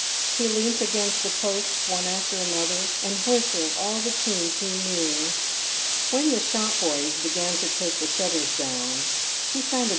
He leant against the posts, one after another and whistled all the tunes he knew. When the shop boys began to take the shutters down, he found a r PAYED WITH GOLD.